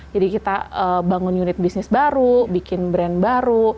jadi kita bangun unit bisnis baru bikin brand baru